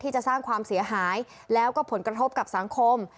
จะสร้างความเสียหายแล้วก็ผลกระทบกับสังคม